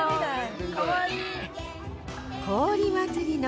かわいい。